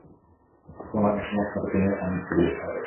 তোমার মেশিনের সাথে তুমিও পানির নিচে ডুবে মারা গেছ।